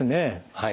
はい。